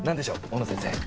大野先生。